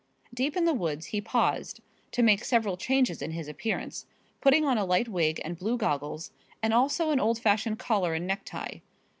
Deep in the woods he paused, to make several changes in his appearance, putting on a light wig and blue goggles and also an old fashioned collar and necktie.